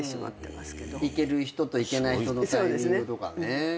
行ける人と行けない人のタイミングとかね。